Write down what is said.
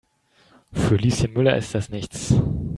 Für Lieschen Müller ist das nichts.